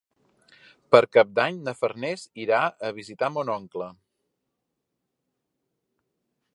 Per Cap d'Any na Farners irà a visitar mon oncle.